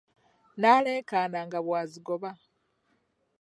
Naalekaana nga bwazigoba .